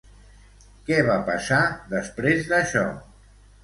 Què va passar després d'això?